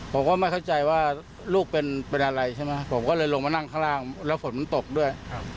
ผมก็ไม่เข้าใจว่าลูกเป็นอะไรใช่ไหมผมก็เลยลงมานั่งข้างล่างแล้วฝนมันตกด้วย